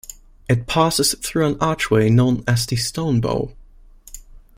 It passes through an archway known as the Stonebow.